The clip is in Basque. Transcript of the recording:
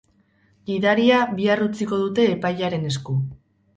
Gidaria bihar utziko dute epailearen esku.